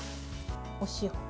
お塩。